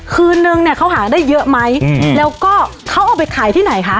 คืนนึงเนี่ยเขาหาได้เยอะไหมแล้วก็เขาเอาไปขายที่ไหนคะ